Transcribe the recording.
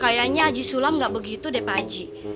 kayaknya aji sulam nggak begitu deh pak aji